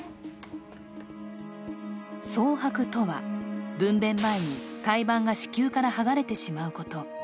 ソウハクとは、分べん前に胎盤が子宮からはがれてしまうこと。